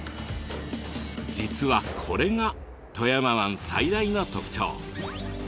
実はこれが富山湾最大の特徴。